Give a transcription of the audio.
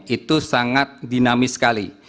itu sangat dinamis sekali